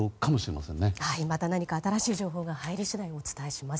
また何か新しい情報が入り次第お伝えします。